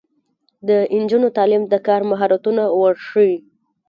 د نجونو تعلیم د کار مهارتونه ورښيي.